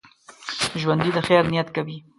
ژوندي د خیر نیت کوي